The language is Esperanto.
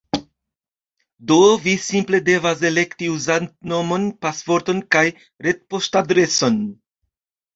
Do vi simple devas elekti uzantnomon pasvorton kaj retpoŝtadreson